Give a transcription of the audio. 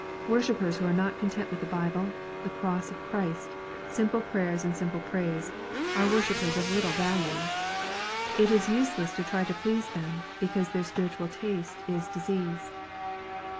Worshippers who are not content with the Bible, the cross of Christ, simple prayers and simple praise, are worshippers of little value. It is useless to try to please them, because their spiritual taste is diseased.